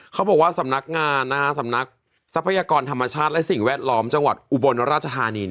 เขาบอกว่าสำนักงานสำนักทรัพยากรธรรมชาติและสิ่งแวดล้อมจังหวัดอุบลราชธานี